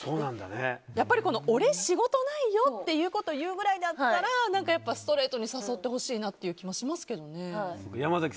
やっぱり俺、仕事ないよと言うぐらいだったらストレートに誘ってほしいなという気がしますけどね。